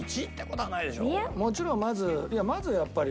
もちろんまずまずやっぱり。